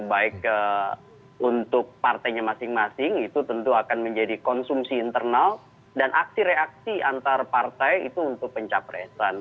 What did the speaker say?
baik untuk partainya masing masing itu tentu akan menjadi konsumsi internal dan aksi reaksi antar partai itu untuk pencapresan